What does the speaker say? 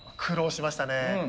苦労しましたね。